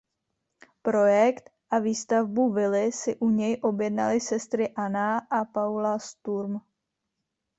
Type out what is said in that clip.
Projekt a výstavbu vily si u něj objednaly sestry Anna a Paula Sturm.